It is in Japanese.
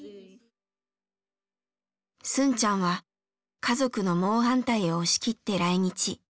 スンちゃんは家族の猛反対を押し切って来日。